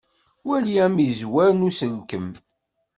Wali amizzwer n uselkem.